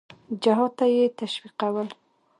جهاد ته یې تشویقول.